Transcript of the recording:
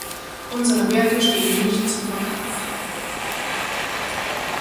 Unsere Werte stehen nicht zum Verkauf.